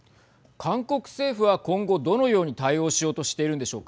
韓国政府は今後どのように対応しようとしているんでしょうか。